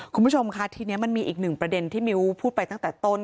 คุณผู้ชมค่ะทีนี้มันมีอีกหนึ่งประเด็นที่มิ้วพูดไปตั้งแต่ต้น